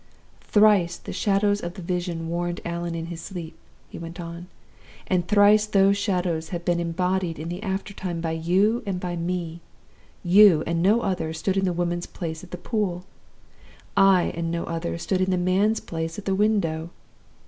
'Thrice the Shadows of the Vision warned Allan in his sleep,' he went on; 'and thrice those Shadows have been embodied in the after time by You and by Me! You, and no other, stood in the Woman's place at the pool. I, and no other, stood in the Man's place at the window.